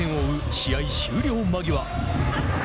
試合終了間際。